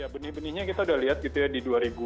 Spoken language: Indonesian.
benih benihnya kita udah lihat gitu ya di dua ribu dua